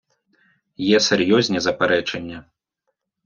Є серйозні заперечення.